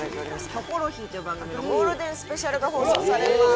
『キョコロヒー』という番組のゴールデンスペシャルが放送されます。